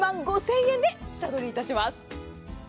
１万５０００円で下取りいたします。